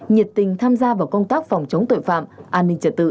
nhiệt tình tham gia vào công tác phòng chống tội phạm an ninh trật tự